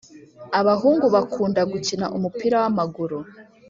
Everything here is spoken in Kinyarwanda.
Ababahungu bakunda gukina umupira wamaguru